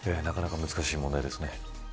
なかなか難しい問題ですね。